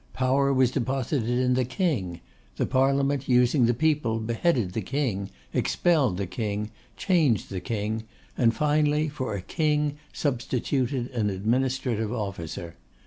Power was deposited in the King; the Parliament, using the People, beheaded the King, expelled the King, changed the King, and, finally, for a King substituted an administrative officer.